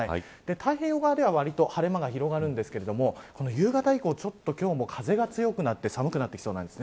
太平洋側ではわりと晴れ間が広がるんですが夕方以降、ちょっと今日も風が強くなって寒くなってきそうです。